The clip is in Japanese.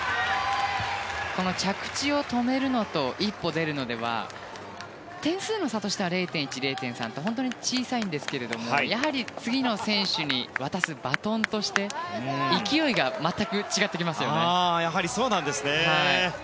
着地を止めるのと１歩出るのでは点数の差としては０．１、０．３って本当に小さいんですけれどもやはり次の選手に渡すバトンとして勢いが全く違ってきますよね。